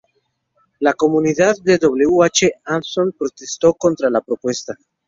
La comunidad de W. H. Adamson protestó contra la propuesta.